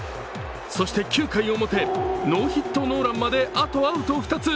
そして、９回表、ノーヒットノーランまであと、アウト２つ。